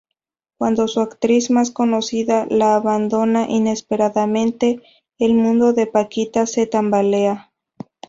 Cuando su actriz más conocida la abandona inesperadamente, el mundo de Paquita se tambalea.